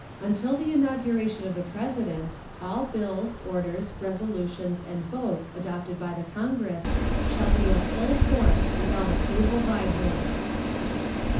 Until the inauguration of the President, all bills, orders, resolutions, and votes adopted by the Congress shall be of full force without approval by him.